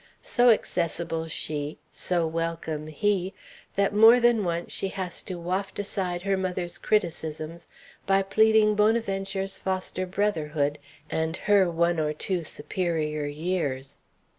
So accessible she, so welcome he, that more than once she has to waft aside her mother's criticisms by pleading Bonaventure's foster brotherhood and her one or two superior years.